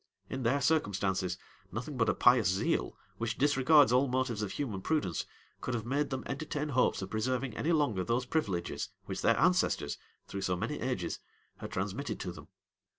In their circumstances, nothing but a pious zeal, which disregards all motives of human prudence, could have made them entertain hopes of preserving any longer those privileges which their ancestors, through so many ages, had transmitted to them.